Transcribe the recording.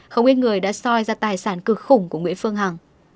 không ít người đã soi ra tài sản cực khủng của nguyễn phương hằng